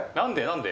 何で？